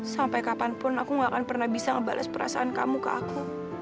sampai kapanpun aku gak akan pernah bisa ngebalas perasaan kamu ke aku